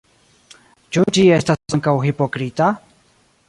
Ĉu ĝi estas ankaŭ hipokrita?